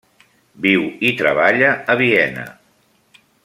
Viu i treballa a Viena.